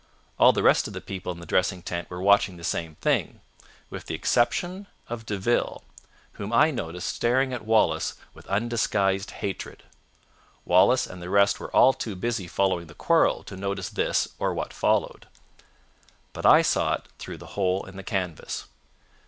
All the rest of the people in the dressing tent were watching the same thing, with the exception of De Ville whom I noticed staring at Wallace with undisguised hatred. Wallace and the rest were all too busy following the quarrel to notice this or what followed. "But I saw it through the hole in the canvas.